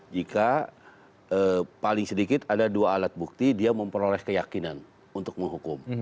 jika paling sedikit ada dua alat bukti dia memperoleh keyakinan untuk menghukum